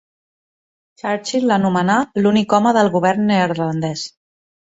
Churchill l'anomenà "l'únic home del govern neerlandès".